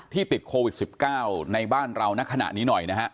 ติดโควิด๑๙ในบ้านเราในขณะนี้หน่อยนะฮะ